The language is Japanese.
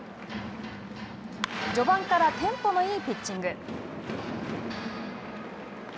序盤からテンポいいピッチング。